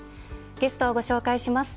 ゲストをご紹介します。